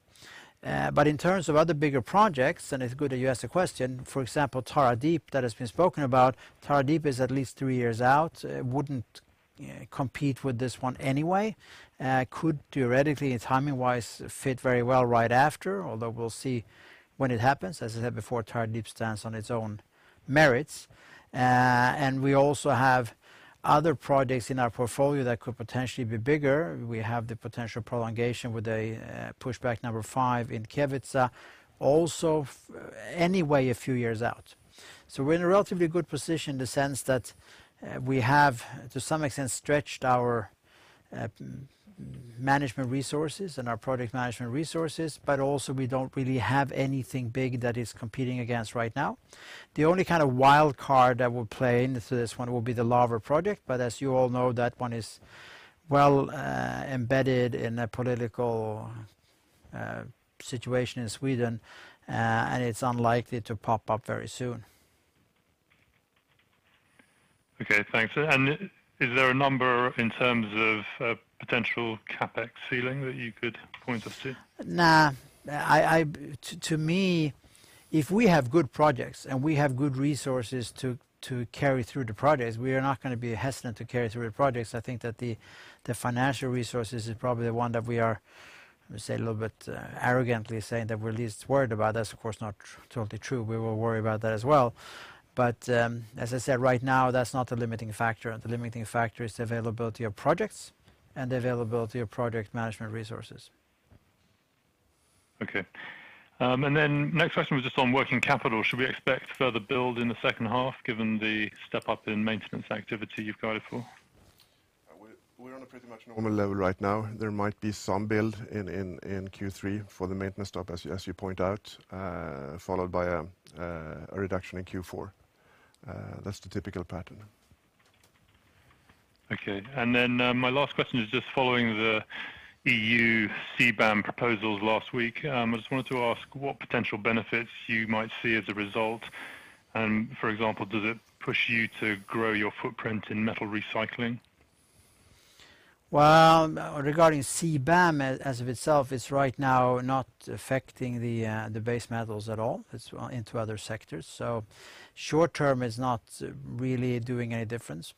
In terms of other bigger projects, and it's good that you asked the question, for example, Tara Deep, that has been spoken about. Tara Deep is at least three years out. It wouldn't compete with this one anyway. Could theoretically, timing-wise, fit very well right after, although we'll see when it happens. As I said before, Tara Deep stands on its own merits. We also have other projects in our portfolio that could potentially be bigger. We have the potential prolongation with pushback number five in Kevitsa, also anyway a few years out. We're in a relatively good position in the sense that we have, to some extent, stretched our management resources and our project management resources, but also we don't really have anything big that it's competing against right now. The only kind of wild card that will play into this one will be the Laver project, as you all know, that one is well embedded in a political situation in Sweden, it's unlikely to pop up very soon. Okay, thanks. Is there a number in terms of potential CapEx ceiling that you could point us to? No. To me, if we have good projects and we have good resources to carry through the projects, we are not going to be hesitant to carry through the projects. I think that the financial resources is probably the one that we are, let me say, a little bit arrogantly saying that we're least worried about. That's of course not totally true. We will worry about that as well. As I said, right now, that's not the limiting factor. The limiting factor is the availability of projects and the availability of project management resources. Okay. Next question was just on working capital. Should we expect further build in the second half given the step up in maintenance activity you've guided for? We're on a pretty much normal level right now. There might be some build in Q3 for the maintenance stop, as you point out, followed by a reduction in Q4. That's the typical pattern. My last question is just following the EU CBAM proposals last week. I just wanted to ask what potential benefits you might see as a result, and for example, does it push you to grow your footprint in metal recycling? Well, regarding CBAM as of itself, it's right now not affecting the base metals at all. It's into other sectors. Short-term it's not really doing any difference.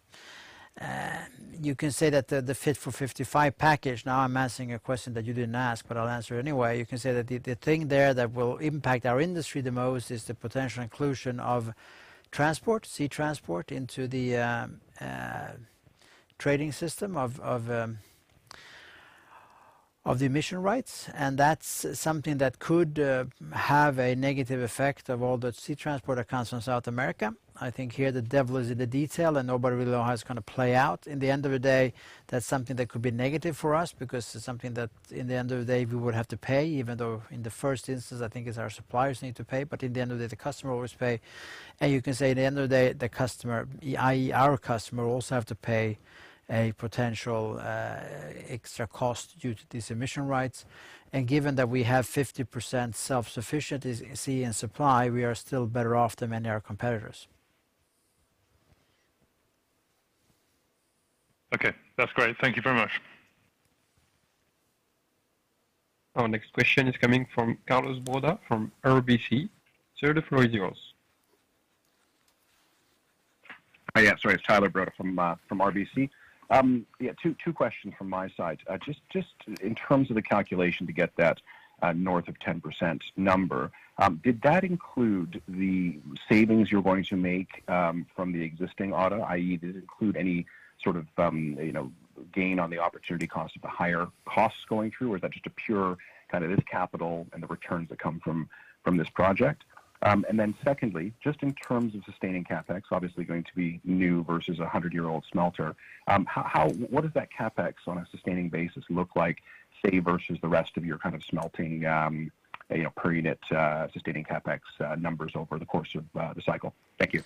You can say that the Fit for 55 package, now I'm answering a question that you didn't ask, but I'll answer anyway. You can say that the thing there that will impact our industry the most is the potential inclusion of sea transport into the trading system of the emission rights, and that's something that could have a negative effect of all the sea transport that comes from South America. I think here the devil is in the detail, and nobody really know how it's going to play out. In the end of the day, that's something that could be negative for us because it's something that in the end of the day, we would have to pay, even though in the first instance, I think it's our suppliers need to pay, but in the end of the day, the customer always pay. You can say at the end of the day, the customer, i.e. our customer, also have to pay a potential extra cost due to these emission rights. Given that we have 50% self-sufficiency in supply, we are still better off than many of our competitors. Okay. That's great. Thank you very much. Our next question is coming from Tyler Broda from RBC. Sir, the floor is yours. Yeah. Sorry, it's Tyler Broda from RBC. Two questions from my side. Just in terms of the calculation to get that north of 10% number, did that include the savings you're going to make from the existing Odda, i.e. did it include any sort of gain on the opportunity cost of the higher costs going through, or is that just a pure kind of this capital and the returns that come from this project? Secondly, just in terms of sustaining CapEx, obviously going to be new versus a 100-year-old smelter, what does that CapEx on a sustaining basis look like, say versus the rest of your kind of smelting per unit sustaining CapEx numbers over the course of the cycle? Thank you.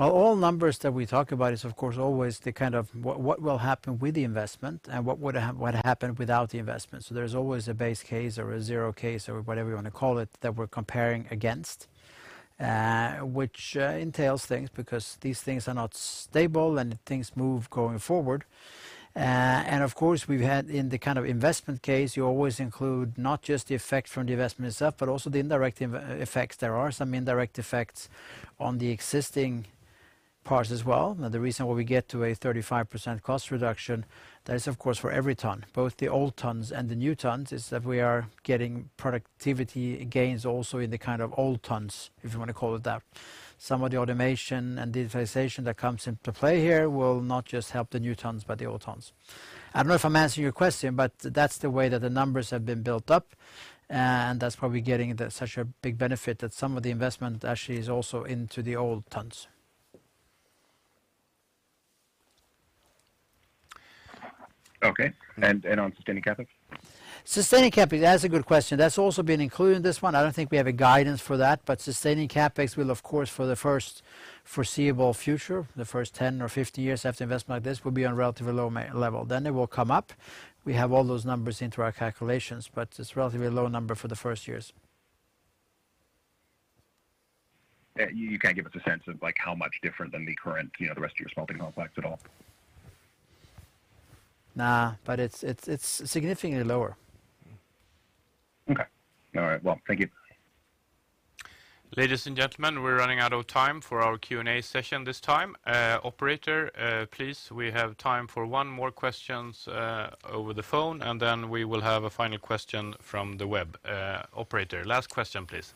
Well, all numbers that we talk about is of course always the kind of what will happen with the investment and what would happen without the investment. There's always a base case or a zero case or whatever you want to call it, that we're comparing against, which entails things because these things are not stable and things move going forward. Of course, we've had in the kind of investment case, you always include not just the effect from the investment itself, but also the indirect effects. There are some indirect effects on the existing parts as well. Now, the reason why we get to a 35% cost reduction, that is of course for every tonne, both the old tonnes and the new tonnes, is that we are getting productivity gains also in the kind of old tonnes, if you want to call it that. Some of the automation and digitalization that comes into play here will not just help the new tons, but the old tons. I don't know if I'm answering your question, but that's the way that the numbers have been built up, and that's why we're getting such a big benefit that some of the investment actually is also into the old tons. Okay. On sustaining CapEx? Sustaining CapEx, that's a good question. That's also been included in this one. I don't think we have a guidance for that, but sustaining CapEx will of course, for the first foreseeable future, the first 10 or 15 years after investment like this, will be on relatively low level. Then it will come up. We have all those numbers into our calculations, but it's relatively a low number for the first years. You can't give us a sense of how much different than the current, the rest of your smelting complex at all? No, but it's significantly lower. Okay. All right. Well, thank you. Ladies and gentlemen, we're running out of time for our Q&A session this time. Operator, please, we have time for one more questions over the phone, and then we will have a final question from the web. Operator, last question please.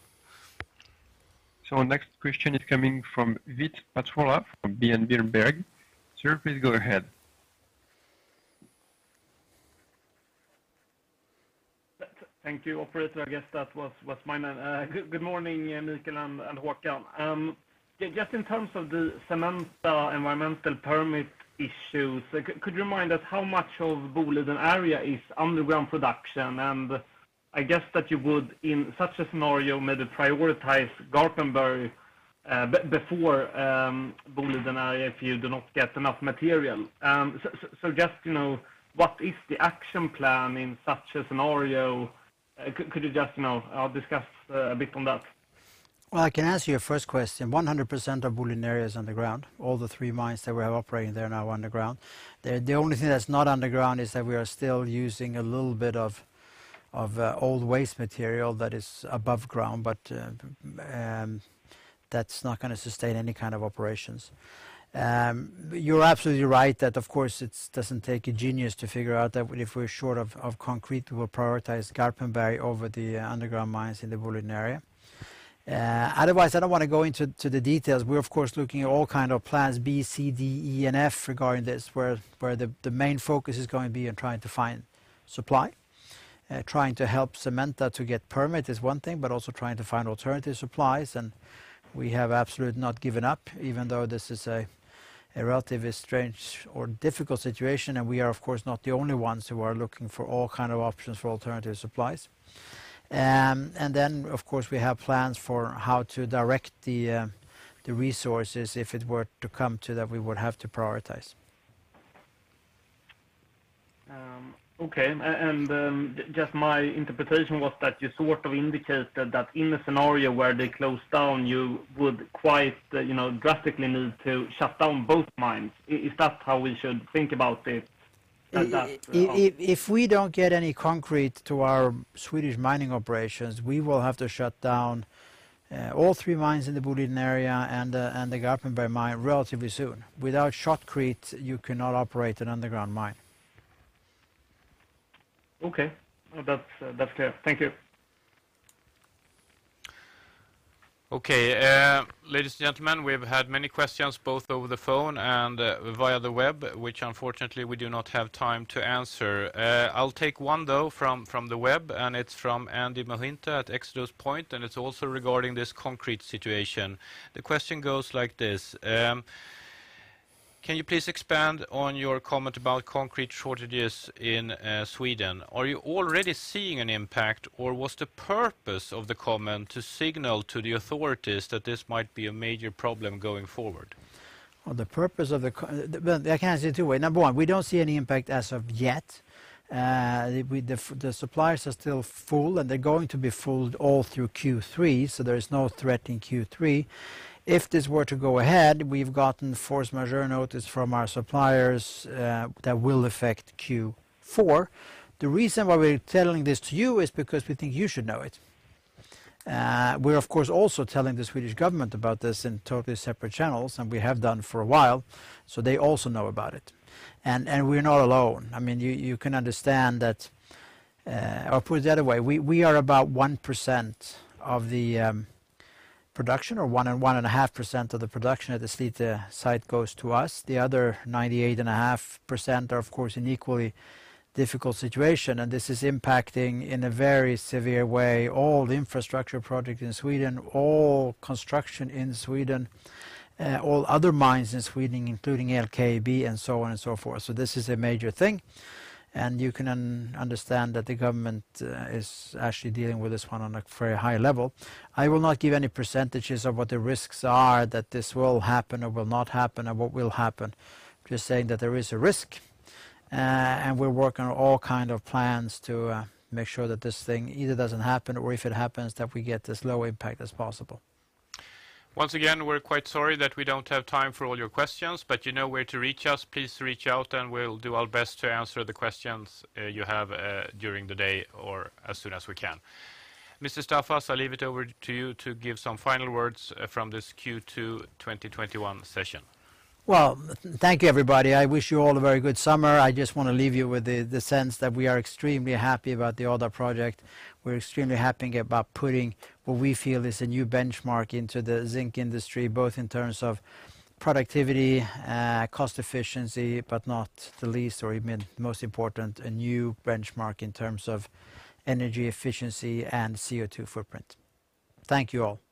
Next question is coming from Viktor Trollsten from DNB Bank. Sir, please go ahead. Thank you, operator. I guess that was mine then. Good morning, Mikael and Håkan. Just in terms of the Cementa environmental permit issues, could you remind us how much of Boliden area is underground production? I guess that you would, in such a scenario, maybe prioritize Garpenberg before Boliden area, if you do not get enough material. Just what is the action plan in such a scenario? Could you just discuss a bit on that? Well, I can answer your first question, 100% of Boliden area is underground. All the three mines that we have operating there now are underground. The only thing that's not underground is that we are still using a little bit of old waste material that is above ground, but that's not going to sustain any kind of operations. You're absolutely right that, of course, it doesn't take a genius to figure out that if we're short of concrete, we will prioritize Garpenberg over the underground mines in the Boliden area. Otherwise, I don't want to go into the details. We're of course, looking at all kind of plans B, C, D, E, and F regarding this, where the main focus is going to be in trying to find supply. Trying to help Cementa to get permit is one thing, but also trying to find alternative supplies, and we have absolutely not given up, even though this is a relatively strange or difficult situation, and we are, of course, not the only ones who are looking for all kind of options for alternative supplies. Then, of course, we have plans for how to direct the resources if it were to come to that we would have to prioritize. Okay. Just my interpretation was that you sort of indicated that in a scenario where they close down, you would quite drastically need to shut down both mines. Is that how we should think about it as that? If we don't get any concrete to our Swedish mining operations, we will have to shut down all three mines in the Boliden area and the Garpenberg mine relatively soon. Without shotcrete, you cannot operate an underground mine. Okay. That's clear. Thank you. Okay. Ladies and gentlemen, we've had many questions, both over the phone and via the web, which unfortunately we do not have time to answer. I'll take one though from the web, and it's from Andy Mohinta at ExodusPoint, and it's also regarding this concrete situation. The question goes like this. Can you please expand on your comment about concrete shortages in Sweden? Are you already seeing an impact, or was the purpose of the comment to signal to the authorities that this might be a major problem going forward? Well, I can answer it two way. Number one, we don't see any impact as of yet. The suppliers are still full, and they're going to be full all through Q3, so there is no threat in Q3. If this were to go ahead, we've gotten force majeure notice from our suppliers that will affect Q4. The reason why we're telling this to you is because we think you should know it. We're of course also telling the Swedish government about this in totally separate channels, and we have done for a while, so they also know about it. We're not alone. Or put it the other way, we are about 1% of the production, or 1.5% of the production at the Slite site goes to us. The other 98.5% are, of course, in equally difficult situation, and this is impacting in a very severe way all the infrastructure project in Sweden, all construction in Sweden, all other mines in Sweden, including LKAB, and so on and so forth. This is a major thing, and you can understand that the government is actually dealing with this one on a very high-level. I will not give any percentages of what the risks are that this will happen or will not happen, or what will happen. I'm just saying that there is a risk, and we're working on all kind of plans to make sure that this thing either doesn't happen, or if it happens, that we get as low impact as possible. Once again, we're quite sorry that we don't have time for all your questions, but you know where to reach us. Please reach out and we'll do our best to answer the questions you havee during the day or as soon as we can. Mr. Staffas, I leave it over to you to give some final words from this Q2 2021 session. Well, thank you everybody. I wish you all a very good summer. I just want to leave you with the sense that we are extremely happy about the Odda project. We're extremely happy about putting what we feel is a new benchmark into the zinc industry, both in terms of productivity, cost efficiency, but not the least or even most important, a new benchmark in terms of energy efficiency and CO2 footprint. Thank you all.